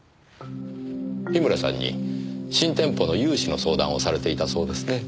樋村さんに新店舗の融資の相談をされていたそうですね。